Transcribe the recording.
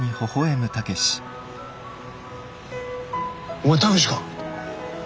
お前武志か！